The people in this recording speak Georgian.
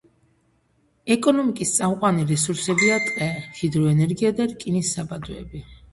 ეკონომიკის წამყვანი რესურსებია ტყე, ჰიდროენერგია და რკინის საბადოები.